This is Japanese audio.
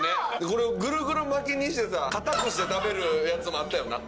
これをぐるぐる巻きにしてさ硬くして食べるやつもあったよな。